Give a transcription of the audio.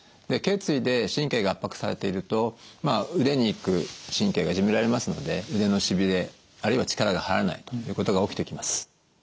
けい椎で神経が圧迫されていると腕に行く神経がいじめられますので腕のしびれあるいは力が入らないということが起きてきます。